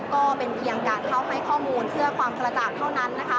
ก็เป็นเพียงการเข้าให้ข้อมูลเพื่อความกระจ่างเท่านั้นนะคะ